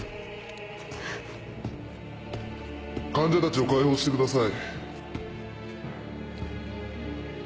患者たちを解放してください。